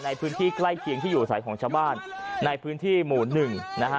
ในพื้นที่ใกล้เคียงที่อยู่อาศัยของชาวบ้านในพื้นที่หมู่หนึ่งนะฮะ